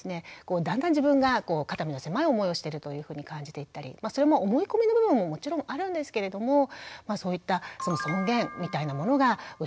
だんだん自分が肩身の狭い思いをしてるというふうに感じていったりそれも思い込みの部分ももちろんあるんですけれどもそういったその尊厳みたいなものが失われていく。